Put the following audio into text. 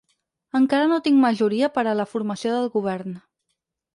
Encara no tinc majoria per a la formació del govern.